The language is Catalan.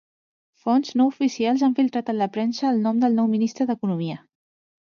Fonts no oficials han filtrat a la premsa el nom del nou ministre d'economia.